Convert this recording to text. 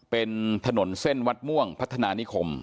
เป็นถนนเส้นวัดม่วงพัฒนานิคม